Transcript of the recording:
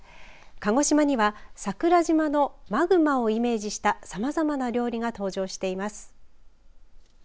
鹿児島には桜島のマグマをイメージしたさまざまな料理が登場しています。